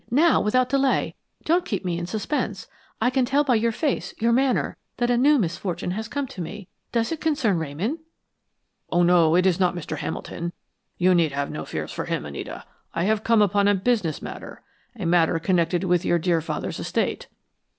Now, without delay! Don't keep me in suspense. I can tell by your face, your manner, that a new misfortune has come to me! Does it concern Ramon?" "Oh, no; it is not Mr. Hamilton. You need have no fears for him, Anita. I have come upon a business matter a matter connected with your dear father's estate."